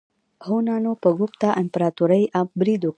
هونانو په ګوپتا امپراتورۍ برید وکړ.